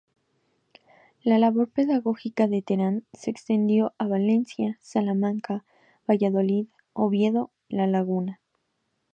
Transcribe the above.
La labor pedagógica de Terán se extendió a Valencia, Salamanca, Valladolid, Oviedo, La Laguna.